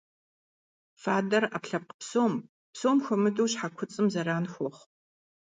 Фадэр Ӏэпкълъэпкъ псом, псом хуэмыдэу щхьэ куцӀым зэран хуэхъу.